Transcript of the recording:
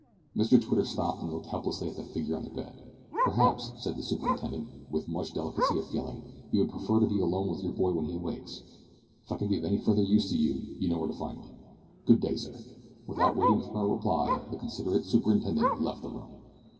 Mr Twitter stopped and looked helplessly at the figure on the bed. "Perhaps," said the superintendent, with much delicacy of feeling, "you would prefer to be alone with your boy when he awakes. If I can be of any further use to you, you know where to find me. Good day, sir." Without waiting for a reply the considerate superintendent left the room.